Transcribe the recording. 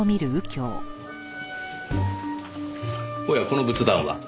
おやこの仏壇は？